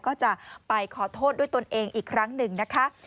ก็จะไปขอโทษด้วยตนเองอีกครั้งหนึ่งนะคะ